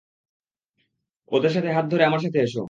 ওদের হাত ধরে আমার সাথে এসো।